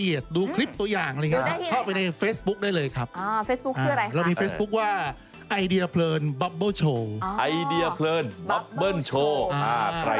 อยากได้ตัวแถมก็ได้หรือว่าอยากได้นักแสดงเพิ่มอย่างเราสองคนก็ได้